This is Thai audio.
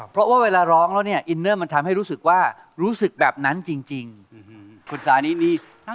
เพราะมันคิดถึงเธอ